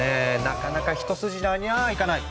なかなか一筋縄にゃあいかない。